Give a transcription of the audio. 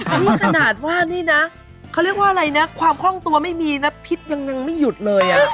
นี่ขนาดว่านี่นะเขาเรียกว่าอะไรนะความคล่องตัวไม่มีนะพิษยังไม่หยุดเลย